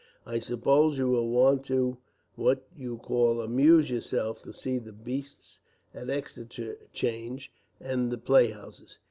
"I suppose you will want to, what you call amuse yourself, to see the beasts at Exeter Change, and the playhouses.